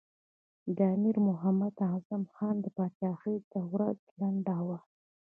د امیر محمد اعظم خان د پاچهۍ دوره لنډه وه.